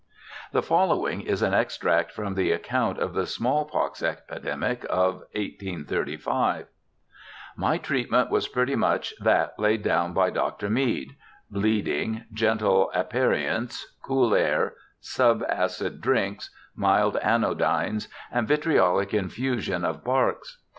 The following is an extract from the account of the smallpox epidemic of 1835 :* My treatment was pretty much that laid down by Dr. Meade : bleeding, gentle aperients, cool air, sub acid drinks, mild anodynes, and vitriolic infusion of barks.